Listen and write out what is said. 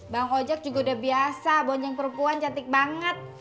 bang ojek juga udah biasa bonceng perempuan cantik banget